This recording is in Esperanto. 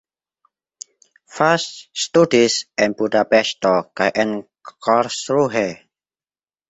Vass studis en Budapeŝto kaj en Karlsruhe.